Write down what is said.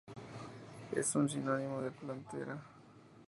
Es un sinónimo de "Platanthera".